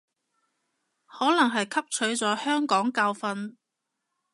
可能係汲取咗香港教訓